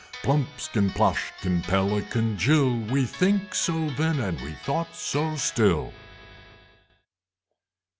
Plumpskin, Ploshkin, Pelican jill! We think so then, and we thought so still!